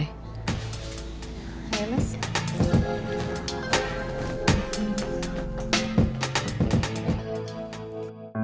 ya masih nga